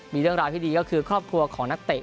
มีเรื่องราวที่ดีก็คือครอบครัวของนักเตะ